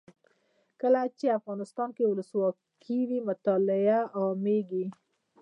کله چې افغانستان کې ولسواکي وي مطالعه عامیږي.